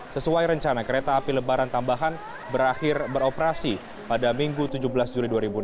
sesuai rencana kereta api lebaran tambahan berakhir beroperasi pada minggu tujuh belas juli dua ribu enam belas